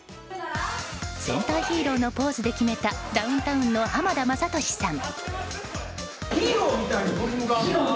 戦隊ヒーローのポーズで決めたダウンタウンの浜田雅功さん。